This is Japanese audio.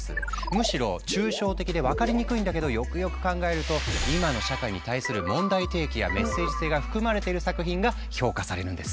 むしろ抽象的で分かりにくいんだけどよくよく考えると今の社会に対する問題提起やメッセージ性が含まれている作品が評価されるんです。